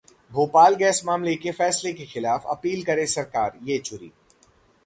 Bhopal gas मामले में फैसले के खिलाफ अपील करे सरकार: येचुरी